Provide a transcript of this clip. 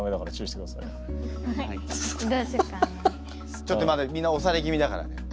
ちょっとまだみんなおされ気味だからね。